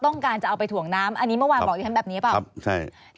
ตั้งใจจะเอาไปถวงน้ำใช่ไหมคะ